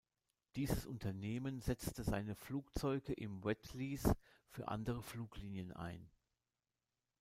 Dieses Unternehmen setzte seine Flugzeuge im Wet-Lease für andere Fluglinien ein.